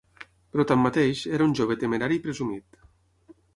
Però tanmateix, era un jove temerari i presumit.